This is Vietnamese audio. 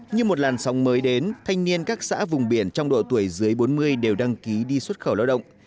như một làn sóng mới đến thanh niên các xã vùng biển trong độ tuổi dưới bốn mươi đều đăng ký đi xuất khẩu lao động